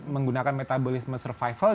menggunakan metabolisme survival